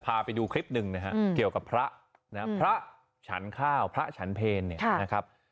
พาไปดูคลิปหนึ่งนะฮะเกี่ยวกับพระนะครับพระฉันข้าวพระฉันเพลเนี่ยนะครับ